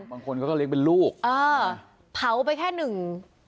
บางคนเขาก็เลี้ยงเป็นลูกเออเผาไปแค่หนึ่ง